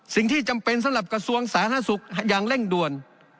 จำเป็นสำหรับกระทรวงสาธารณสุขอย่างเร่งด่วน